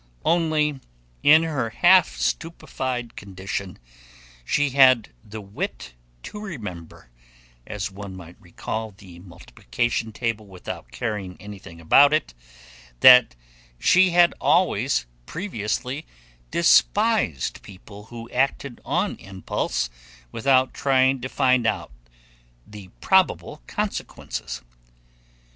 Only, in her half stupefied condition, she had the wit to remember, as one might recall the multiplication table without caring anything about it, that she had always previously despised people who acted on impulse without trying to find out the probable consequences.